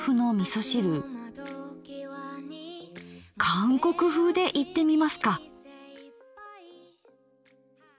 韓国風でいってみますか。